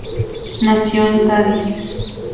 Nació en Cádiz.